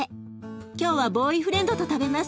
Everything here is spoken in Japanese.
今日はボーイフレンドと食べます。